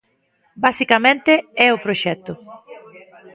Basicamente é o proxecto.